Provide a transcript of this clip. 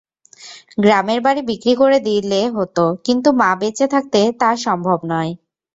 গ্রামের বাড়ি বিক্রি করে দিলে হত, কিন্তু মা বেঁচে থাকতে তা সম্ভব নয়।